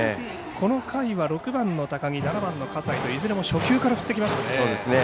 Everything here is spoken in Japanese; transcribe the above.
この回は、６番の高木７番の葛西と、いずれも初球から振ってきましたね。